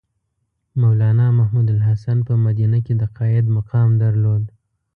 مولنا محمودالحسن په مدینه کې د قاید مقام درلود.